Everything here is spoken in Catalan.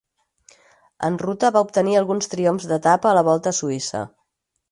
En ruta va obtenir alguns triomfs d'etapa a la Volta a Suïssa.